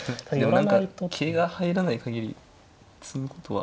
何か桂が入らない限り詰むことは。